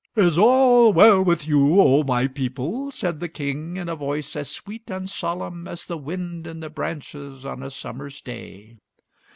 "Is all well with you, O my people?" said the King, in a voice as sweet and solemn as the wind in the branches on a summer's day.